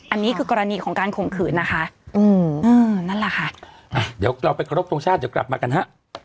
อันนี้คือกรณีของการข่มขืนนะคะอืมนั่นแหละค่ะ